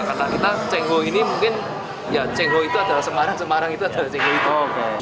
karena kita cengho ini mungkin ya cengho itu adalah semarang semarang itu adalah cenghoi toko